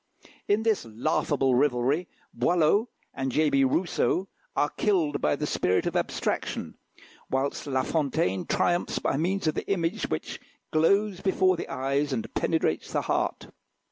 In this laughable rivalry Boileau and J. B. Rousseau are killed by the spirit of abstraction; whilst La Fontaine triumphs by means of the image which glows before the eyes and penetrates the heart.